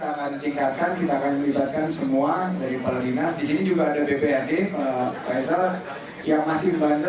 kita akan cingkatkan kita akan melibatkan semua dari peladinas